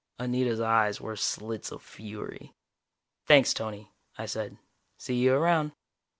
Anita's eyes were slits of fury. "Thanks, Tony," I said. "See you around."